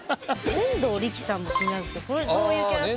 燃堂力さんも気になるんですけどこれどういうキャラクター。